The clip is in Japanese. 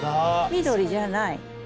緑じゃない。